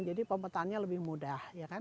jadi pemetaannya lebih mudah